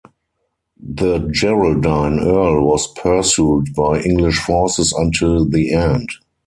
The Geraldine earl was pursued by English forces until the end.